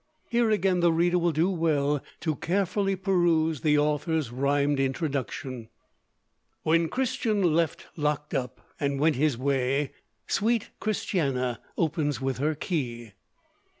Here again the reader will do well to carefully peruse the author's rhymed introduction: "What Christian left locked up, and went his way, Sweet Christiana opens with her key."